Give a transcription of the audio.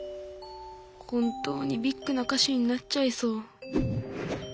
本当にビッグな歌手になっちゃいそう。